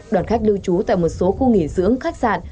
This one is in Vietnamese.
đoàn khách lưu trú tại một số khu nghỉ dưỡng khách sạn